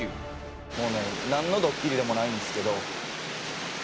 「もうねなんのドッキリでもないんですけど」